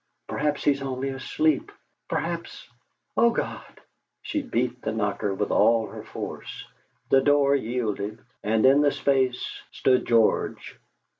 'Perhaps he's only asleep, perhaps Oh God!' She beat the knocker with all her force. The door yielded, and in the space stood George.